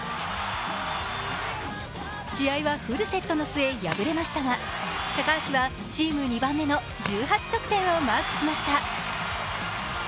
試合はフルセットの末、敗れましたが高橋はチーム２番目の１８得点をマークしました。